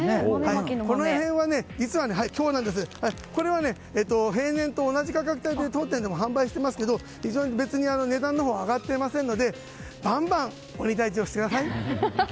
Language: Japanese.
この辺は平年と同じ価格で当店でも販売していますが値段のほうは上がっておりませんのでバンバン鬼退治をしてください。